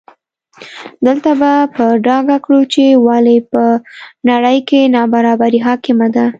دلته به په ډاګه کړو چې ولې په نړۍ کې نابرابري حاکمه ده.